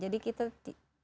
jadi kita arahkan ke sana